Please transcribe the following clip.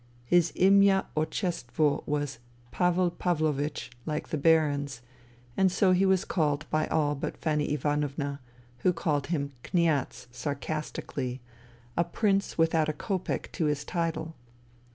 His imya otchestoo was Pavel Pavlovich, like the Baron's, and so he was called by all but Fanny Ivanovna, who called him " Kniaz," sarcastically — a Prince without a copeck to his title